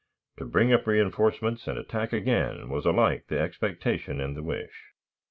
To bring up reënforcements and attack again was alike the expectation and the wish.